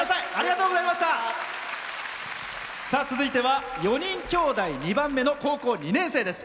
続いては４人きょうだい２番目の高校２年生です。